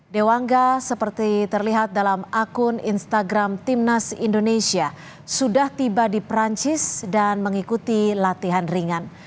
dewangga seperti terlihat dalam akun instagram timnas indonesia sudah tiba di perancis dan mengikuti latihan ringan